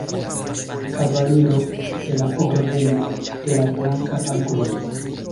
Kavaliro de la Ordeno de la Blanka Aglo.